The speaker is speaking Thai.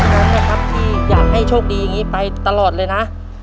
พร้อมนะครับที่อยากให้โชคดีอย่างนี้ไปตลอดเลยนะ